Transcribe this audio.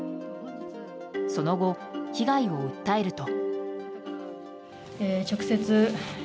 その後、被害を訴えると。